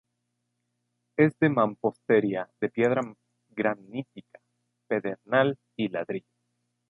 Es de mampostería, de piedra granítica, pedernal y ladrillo.